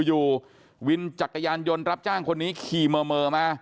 อยู่วินจักรยานยนต์รับจ้างคนนี้ขี่เมอมา